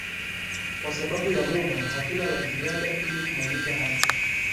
kwa sababu ya muda hatuna la ziada ili kumalizia hapa